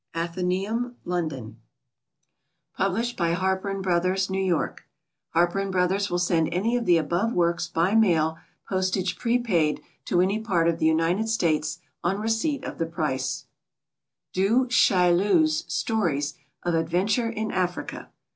Athenæum, London. Published by HARPER & BROTHERS, New York. HARPER & BROTHERS will send any of the above works by mail, postage prepaid, to any part of the United States, on receipt of the price. DU CHAILLU'S STORIES OF ADVENTURE IN AFRICA.